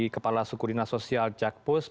kepala sukudina sosial jakpus